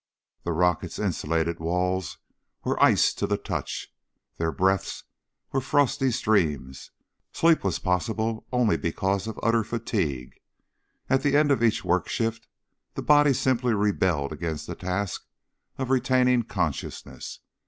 The rocket's insulated walls were ice to the touch, their breaths were frosty streams sleep was possible only because of utter fatigue. At the end of each work shift the body simply rebelled against the task of retaining consciousness.